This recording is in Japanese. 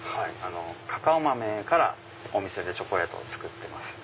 カカオ豆からお店でチョコレートを作ってます。